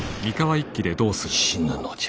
死ぬのじゃ。